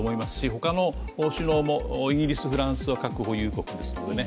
他の首脳もイギリス、フランスは核保有国ですよね。